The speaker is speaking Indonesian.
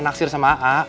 naksir sama aa